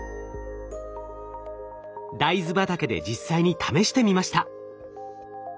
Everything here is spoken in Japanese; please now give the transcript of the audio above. ダイズ畑で実際に試してみました。